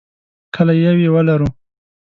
کله یو یې ولرو.